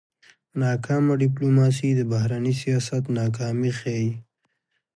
ناکامه ډيپلوماسي د بهرني سیاست ناکامي ښيي.